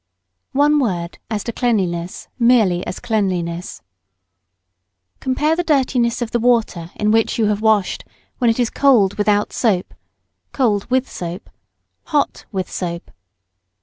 One word as to cleanliness merely as cleanliness. [Sidenote: Steaming and rubbing the skin.] Compare the dirtiness of the water in which you have washed when it is cold without soap, cold with soap, hot with soap.